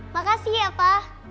makasih ya pak